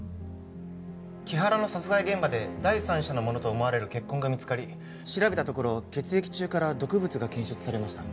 木原の殺害現場で第三者のものと思われる血痕が見つかり調べたところ血液中から毒物が検出されました